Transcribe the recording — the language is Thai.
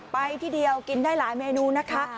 ไปที่เดียวกินได้หลายเมนูนะคะ